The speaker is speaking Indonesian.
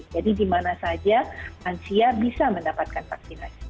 jadi di mana saja lansia bisa mendapatkan vaksinasi